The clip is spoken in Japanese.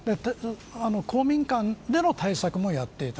公民館での対策もやっていた。